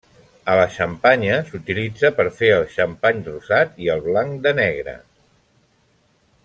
A la Xampanya s'utilitza per fer el xampany rosat i el blanc de negre.